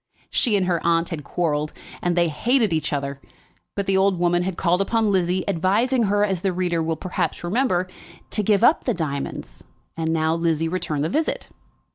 She and her aunt had quarrelled, and they hated each other; but the old woman had called upon Lizzie, advising her, as the reader will perhaps remember, to give up the diamonds, and now Lizzie returned the visit.